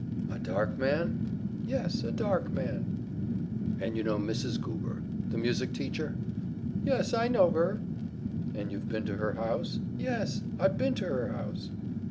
"A dark man?" "Yes, a dark man." "And you know Mrs. Goober, the music teacher?" "Yes, I know her." "And you've been to her house?" "Yes, I've been to her house."